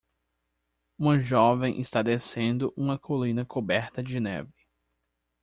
Uma jovem está descendo uma colina coberta de neve.